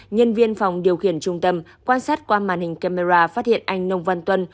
nhân viên phòng điều khiển trung tâm quan sát qua màn hình camera phát hiện anh nông văn tuân